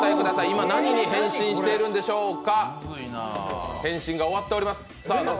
今何に変身してるのでしょうか。